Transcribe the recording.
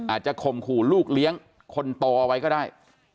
อาจจะคมขู่ลูกเลี้ยงคนต่อเอาไว้ก็ได้